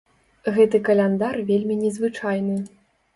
Гэты каляндар вельмі незвычайны.